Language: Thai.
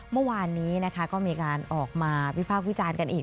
เมื่อวานนี้นะคะก็มีการออกมาวิพากษ์วิจารณ์กันอีก